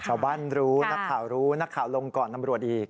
ชาวบ้านรู้นักข่าวรู้นักข่าวลงก่อนตำรวจอีก